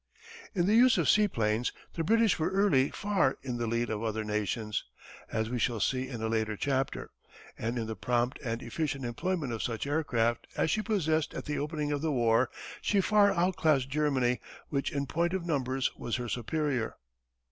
In the use of seaplanes the British were early far in the lead of other nations, as we shall see in a later chapter. And in the prompt and efficient employment of such aircraft as she possessed at the opening of the war she far outclassed Germany which in point of numbers was her superior.